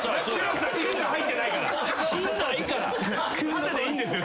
縦でいいんですよ。